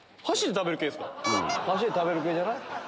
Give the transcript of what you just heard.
箸で食べる系じゃない？